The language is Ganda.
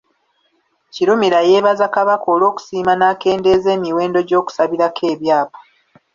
Kirumira yeebaza Kabaka olw'okusiima n’akendeeza emiwendo gy’okusabirako ebyapa.